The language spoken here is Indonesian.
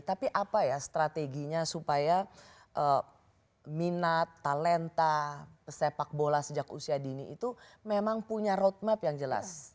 tapi apa ya strateginya supaya minat talenta sepak bola sejak usia dini itu memang punya roadmap yang jelas